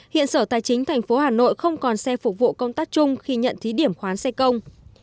hiện sở tài chính tp hà nội không còn xe phục vụ công tác chung khi nhận thí điểm khoán xe công